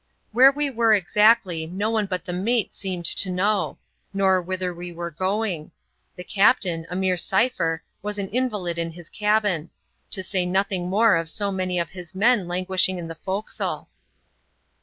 Where we were exactly no one but the mate seemed to know, nor whither we were going. The captain — a mere cipher — ^was an invalid in his cabin ; to say nothing more of so many of his men languishing in the forecastle.